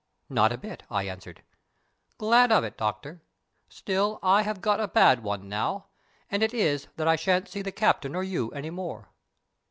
"Not a bit," I answered. "Glad of it, Doctor. Still, I have got a bad one now, and it is that I shan't see the Captain or you any more."